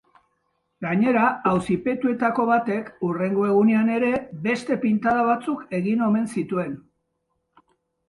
Gainera, auzipetuetako batek hurrengo egunean ere beste pintada batzuk egin omen zituen.